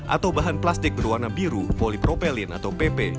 atau bahan plastik berwarna biru polypropelin atau pp